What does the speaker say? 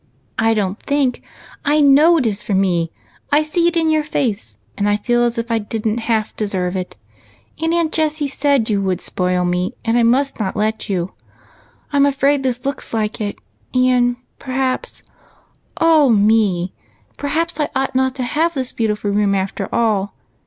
" I don't think.) I knoin it is for me ; I see it in your f ace,'^nd I feel as if I did n't half deserve it. Aunt Jessie said you would spoil me, and I must not let you. I 'm afraid this looks like it, and perhaps, — oh me !— perhaps I ought not to have this beautiful room after all